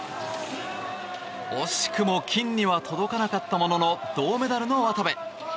惜しくも金には届かなかったものの銅メダルの渡部。